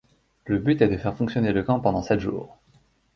Le but est de faire fonctionner le camp pendant sept jours.